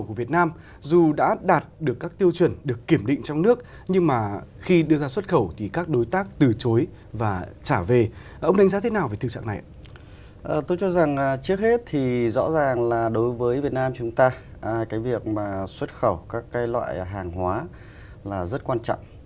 cũng không được chấp nhận